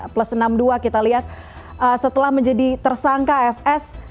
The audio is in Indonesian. plus enam puluh dua kita lihat setelah menjadi tersangka fs